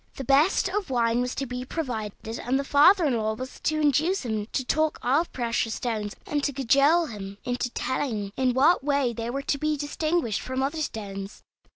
The best of wine was to be provided, and the father in law was to induce him to talk of precious stones, and to cajole him into telling in what way they were to be distinguished from other stones.